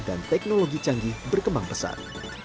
dan teknologi canggih berkembang besar